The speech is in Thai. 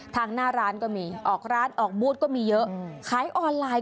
ทางหน้าร้านก็มีออกร้านออกบูธก็มีเยอะ